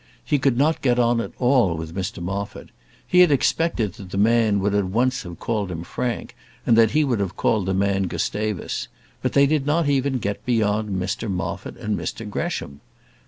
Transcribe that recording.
He could not get on at all with Mr Moffat. He had expected that the man would at once have called him Frank, and that he would have called the man Gustavus; but they did not even get beyond Mr Moffat and Mr Gresham.